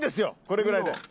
これぐらいで。